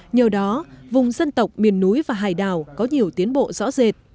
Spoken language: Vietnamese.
nhờ đó vùng dân tộc miền núi và hải đảo có nhiều tiến bộ rõ rệt